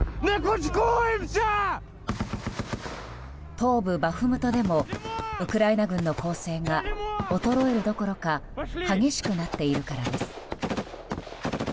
東部バフムトでもウクライナ軍の攻勢が衰えるどころか激しくなっているからです。